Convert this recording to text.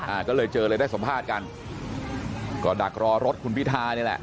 อ่าก็เลยเจอเลยได้สัมภาษณ์กันก็ดักรอรถคุณพิธานี่แหละ